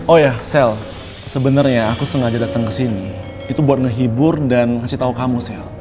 oh ya sel sebenernya aku sengaja datang kesini itu buat ngehibur dan ngasih tau kamu sel